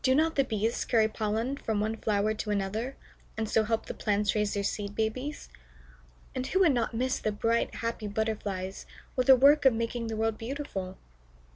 Do not the Bees carry pollen from one flower to another, and so help the plants raise their Seed Babies? And who would not miss the bright, happy Butterflies, with their work of making the world beautiful?